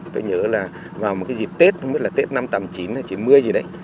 tôi nhớ là vào một cái dịp tết không biết là tết năm tầm chín mươi gì đấy